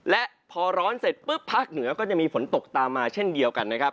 และพอร้อนเสร็จปุ๊บภาคเหนือก็จะมีฝนตกตามมาเช่นเดียวกันนะครับ